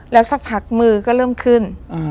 แล้วสักพักมือก็เริ่มขึ้น